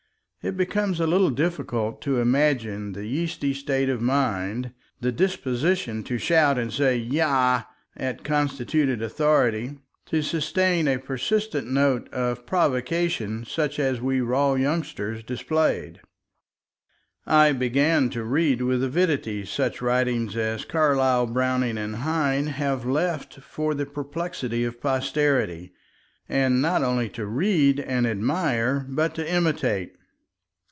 It becomes a little difficult to imagine the yeasty state of mind, the disposition to shout and say, "Yah!" at constituted authority, to sustain a persistent note of provocation such as we raw youngsters displayed. I began to read with avidity such writing as Carlyle, Browning, and Heine have left for the perplexity of posterity, and not only to read and admire but to imitate.